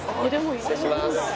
失礼します。